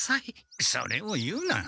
それを言うな。